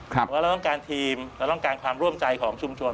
เพราะว่าเราต้องการทีมเราต้องการความร่วมใจของชุมชน